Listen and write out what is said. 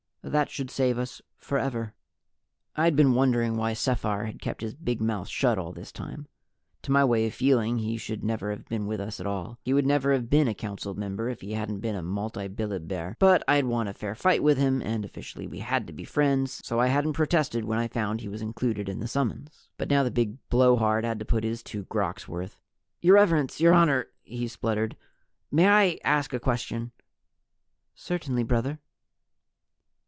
That should save us forever." I'd been wondering why Sephar had kept his big mouth shut all this time. To my way of feeling, he should never have been with us at all. He would never have been a Council member if he hadn't been a multibilibaire. But I'd won a fair fight with him, and officially we had to be friends, so I hadn't protested when I found he was included in the summons. But now the big blowhard had to put his two grocs' worth. "Your Reverence Your Honor " he spluttered. "May I ask a question?" "Certainly, brother."